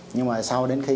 nhưng mà sau đến khi